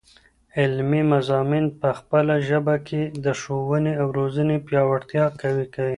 علمي مضامین په خپله ژبه کې، د ښوونې او روزني پیاوړتیا قوي.